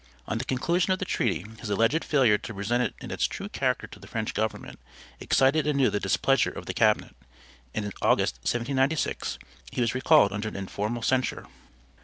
On the conclusion of the treaty his alleged failure to present it in its true character to the French government excited anew the displeasure of the cabinet; and in August, 1796, he was recalled under an informal censure.